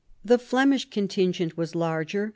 The Flemish contingent was larger.